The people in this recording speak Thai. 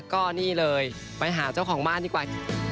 ก็นี่เลยไปหาเจ้าของบ้านดีกว่า